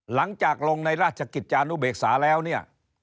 หลังจากลงในราชกิจจานุเบกษาแล้วเนี่ย